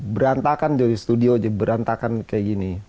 berantakan dari studio aja berantakan kayak gini